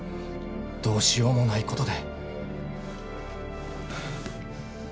どうしようもないことで。